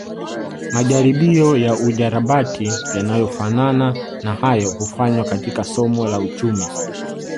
Majaribio ya ujarabati yanayofanana na hayo hufanywa katika somo la uchumi